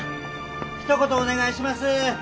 ひと言お願いします。